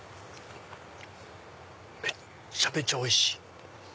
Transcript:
めっちゃめちゃおいしい！